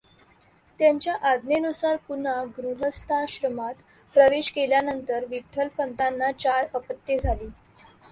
त्यांच्या आज्ञेनुसार पुन्हा गृहस्थाश्रमात प्रवेश केल्यानंतर विठ्ठलपंतांना चार अपत्ये झाली.